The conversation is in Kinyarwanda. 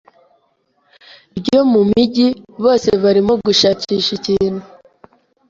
ryo mumijyi bose barimo gushakisha ikintu: